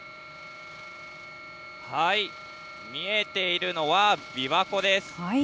見えているのはびわ湖です。